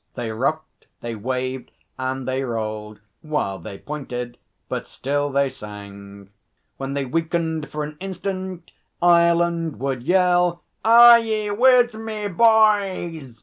They rocked, they waved, and they rolled while they pointed, but still they sang. When they weakened for an instant, Ireland would yell: 'Are ye with me, bhoys?'